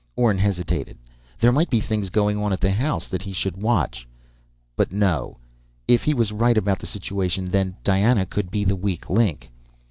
Orne hesitated. There might be things going on at the house that he should watch. But no ... if he was right about this situation, then Diana could be the weak link.